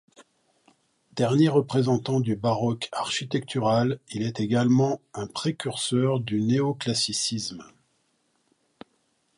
Dernier représentant du baroque architectural il est également un précurseur du néoclassicisme.